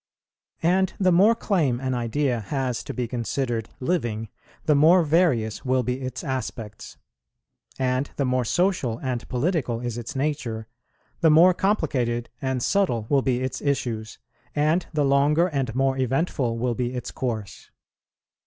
And the more claim an idea has to be considered living, the more various will be its aspects; and the more social and political is its nature, the more complicated and subtle will be its issues, and the longer and more eventful will be its course.